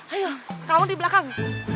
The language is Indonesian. ayo kamu di belakang